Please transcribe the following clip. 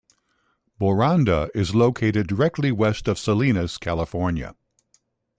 Boronda is located directly west of Salinas, California.